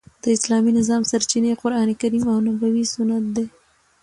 د اسلامي نظام سرچینې قران کریم او نبوي سنت دي.